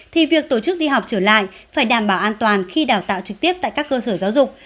thì việc tổ chức đi học trở lại phải đảm bảo an toàn khi đào tạo trực tiếp tại các cơ sở giáo dục